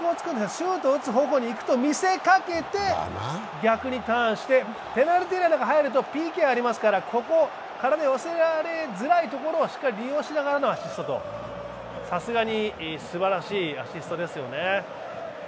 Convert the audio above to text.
シュートを打つ方向に行くと見せかけて、逆にターンしてペナルティーエリアの中に入るとＰＫがありますから、ここからの寄せられづらいところをしっかり利用しながらのアシストと、さすがにすばらしいアシストですよね。